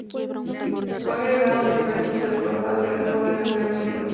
Fue agregado de prensa de la Embajada de Venezuela en el Reino Unido.